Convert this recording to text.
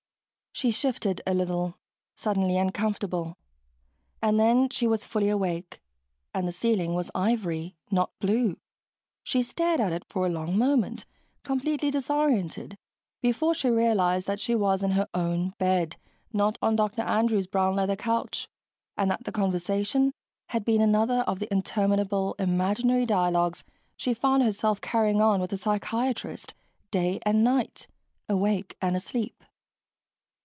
She shifted a little, suddenly uncomfortable ... and then she was fully awake and the ceiling was ivory, not blue. She stared at it for a long moment, completely disoriented, before she realized that she was in her own bed, not on Dr. Andrews' brown leather couch, and that the conversation had been another of the interminable imaginary dialogues she found herself carrying on with the psychiatrist, day and night, awake and asleep.